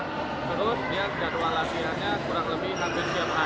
terus dia jadwal latihannya kurang lebih hampir tiap hari